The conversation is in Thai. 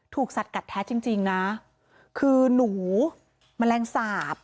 สัตว์กัดแท้จริงจริงนะคือหนูแมลงสาป